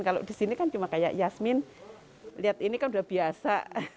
kalau di sini kan cuma kayak yasmin lihat ini kan udah biasa